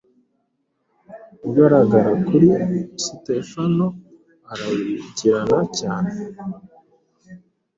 ugaragara kuri Sitefano urabagirana cyane